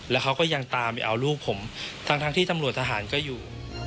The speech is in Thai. แล้วเขาก็ยังตามไปเอาลูกผมทั้งที่ตำรวจทหารก็อยู่